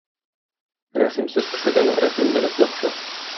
Рәхимсез кешедән рәхимле эт яхшы.